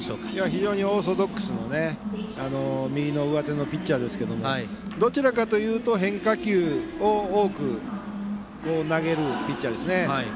非常にオーソドックスな右の上手のピッチャーですけどどちらかというと変化球を多く投げるピッチャーですね。